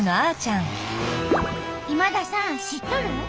今田さん知っとる？